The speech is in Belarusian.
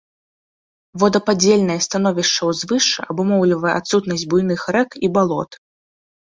Водападзельнае становішча ўзвышша абумоўлівае адсутнасць буйных рэк і балот.